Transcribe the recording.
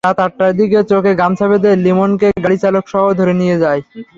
রাত আটটার দিকে চোখে গামছা বেঁধে লিমনকে গাড়িচালকসহ ধরে নিয়ে যায়।